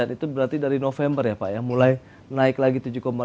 itu berarti dari november ya pak ya mulai naik lagi tujuh delapan